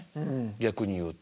逆に言うと。